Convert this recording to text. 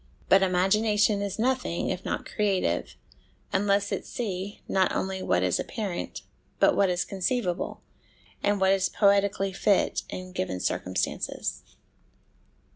But imagination is nothing if not creative, unless it see, not only what is apparent, but what is conceivable, and what is poetically fit in given circumstances.